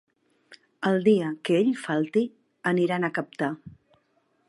El dia que ell falti aniran a captar.